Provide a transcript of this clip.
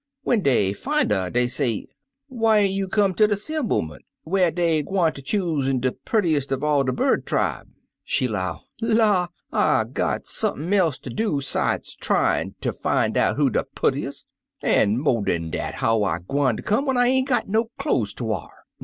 When dey fin' 'er, dey say, 'Whyn't you come ter de 'semblement, whar dey gwineter choosen de purtiest er all de bird tribe?' She 'low, 'La, I got sump'n else ter do sides tryin' ter fin' out who de purtiest; an', mo' dan dat, how I gwineter come when I ain't got no cloze ter w'ar?